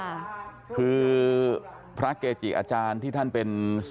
หลวงปู่ท่านจะบอกว่ายังไงเนี่ยเดี๋ยวท่านลองฟังดูนะฮะ